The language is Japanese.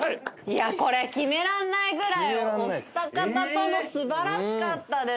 これ決めらんないぐらいお二方とも素晴らしかったです。